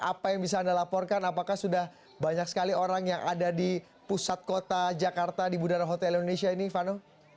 apa yang bisa anda laporkan apakah sudah banyak sekali orang yang ada di pusat kota jakarta di bundaran hotel indonesia ini vano